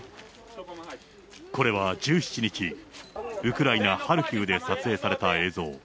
これは１７日、ウクライナ・ハルキウで撮影された映像。